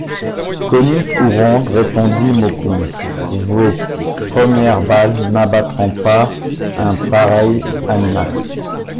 Coniques ou rondes, répondit Mokoum, vos premières balles n’abattront pas un pareil animal!